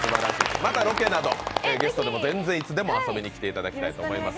またロケなど、いつでも遊びに来ていただきたいと思います。